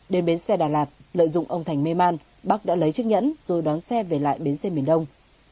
đến bến xe đà lạt lợi dụng ông thành mê man bắc đã lấy chiếc nhẫn rồi đón xe về lại bến xe miền đông